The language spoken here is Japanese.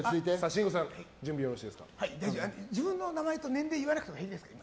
自分の名前と年齢は言わなくていいですか。